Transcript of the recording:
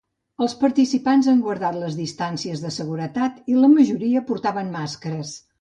Els participants han guardat les distàncies de seguretat i la majoria portaven màscares.